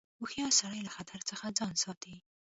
هوښیار سړی له خطر څخه ځان ساتي.